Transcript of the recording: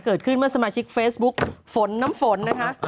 เกิดขึ้นเมื่อสมาชิกเฟซบุ๊กฝนน้ำฝนนะคะ